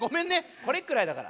「これくらい」だから。